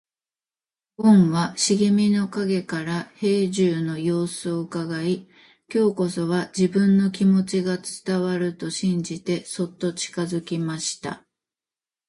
ごんは茂みの影から兵十の様子をうかがい、今日こそは自分の気持ちが伝わると信じてそっと近づきました。